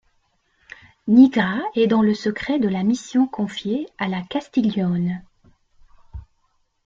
Nigra est dans le secret de la mission confiée à la Castiglione.